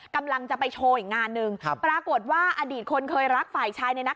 กำลังจะไปโชว์อีกงานหนึ่งปรากฏว่าอดีตคนเคยรักฝ่ายชายเนี่ยนะ